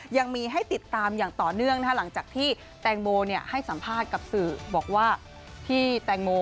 ยังมีให้ติดตามอย่างต่อเนื่องหลังจากที่แตงโมให้สัมภาษณ์กับสื่อบอกว่าที่แตงโม